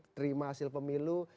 terima hasil pemilu